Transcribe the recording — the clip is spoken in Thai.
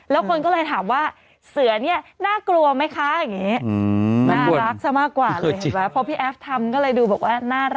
แล้วคนก็เลยถามว่าเสือเนี่ยน่ากลัวไหมคะอย่างนี้น่ารักซะมากกว่าเลยเห็นไหมพอพี่แอฟทำก็เลยดูบอกว่าน่ารัก